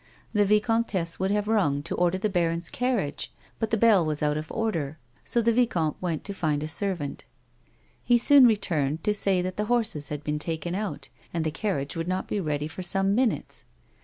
The vicomtesse would have v\mg to order the baron's carriage but the bell was out of order, so the vicomte went to find a servant. He soon returned, to say that the horses had been taken out, and the carriage would not be ready for some minutes.